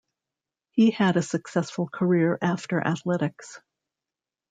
He had a successful career after athletics.